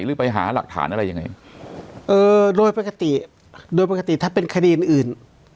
หรือไปหาหลักฐานอะไรยังไงเออโดยปกติโดยปกติถ้าเป็นคดีอื่นอื่น